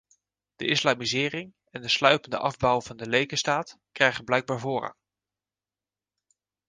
De islamisering en de sluipende afbouw van de lekenstaat krijgen blijkbaar voorrang.